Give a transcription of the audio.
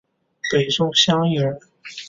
北宋襄邑人。